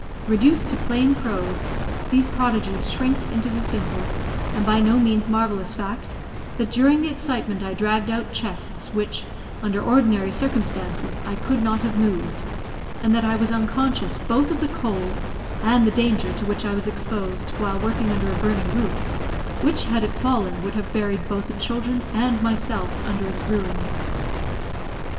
Reduced to plain prose, these prodigies shrink into the simple, and by no means marvellous fact, that during the excitement I dragged out chests which, under ordinary circumstances, I could not have moved; and that I was unconscious, both of the cold and the danger to which I was exposed while working under a burning roof, which, had it fallen, would have buried both the children and myself under its ruins.